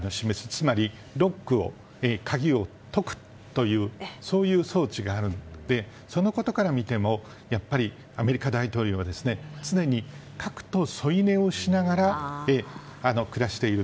つまりロックの鍵を解くという装置があってそのことから見てもやっぱり、アメリカ大統領は常に核と添い寝をしながら暮らしている。